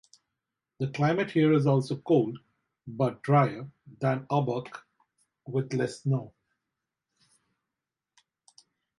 The climate here is also cold, but drier than in Aubrac, with less snow.